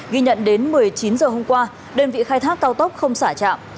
ghi nhận đến một mươi chín h hôm qua đơn vị khai thác cao tốc không xả trạm